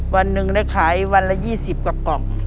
วันหนึ่งได้ขายวันละ๒๐กว่ากล่อง